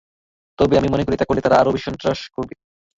তবে আমি মনে করি, এটা করলে তারা আরও বেশি সন্ত্রাস করবে।